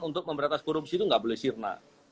untuk memberatas korupsi itu gak boleh sirna